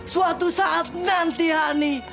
suatu saat nanti hani